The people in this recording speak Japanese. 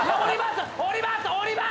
降ります